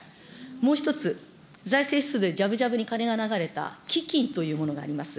もう１つ、財政出動でじゃぶじゃぶに金が流れた基金というものがあります。